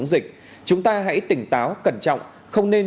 kính chào tạm biệt và hẹn gặp lại